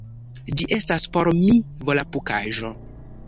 Ĝi estas por mi volapukaĵo.